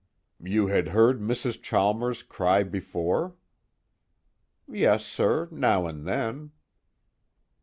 "You had heard Mrs. Chalmers cry before?" "Yes, sir, now and then."